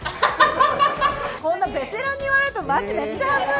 こんなベテランに言われるとマジめっちゃ恥ずい。